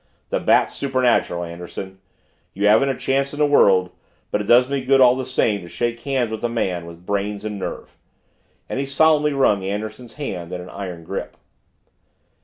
The Bat's supernatural, Anderson. You haven't a chance in the world but it does me good all the same to shake hands with a man with brains and nerve," and he solemnly wrung Anderson's hand in an iron grip.